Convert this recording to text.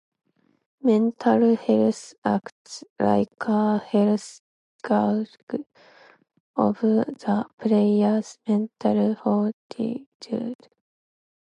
Mental health acts like a health gauge of the player's mental fortitude.